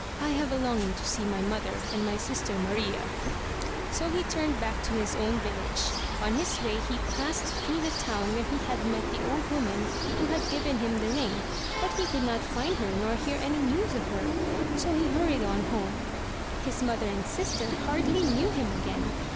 I have a longing to see my mother and my sister Maria." So he turned back to his own village. On his way he passed through the town where he had met the old woman who had given him the ring, but he could not find her nor hear any news of her. So he hurried on home. His mother and sister hardly knew him again.